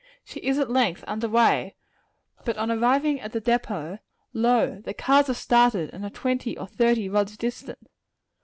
She is, at length, under way; but on arriving at the depot, lo! the cars have started, and are twenty or thirty rods distant.